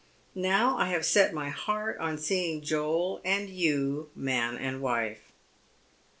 Now I have set my heart on seeing Joel and you man and wife."